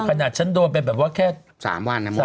ขนาดฉันโดนเป็นแบบว่าแค่๓วัน